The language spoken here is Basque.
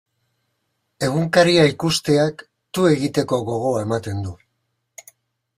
Egunkaria ikusteak tu egiteko gogoa ematen du.